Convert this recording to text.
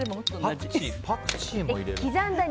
パクチーも入れるんだ。